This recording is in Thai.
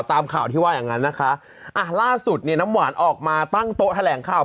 ตามข่าวที่ว่าอย่างงั้นนะคะอ่ะล่าสุดเนี่ยน้ำหวานออกมาตั้งโต๊ะแถลงข่าว